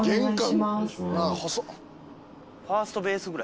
ファーストベースぐらい。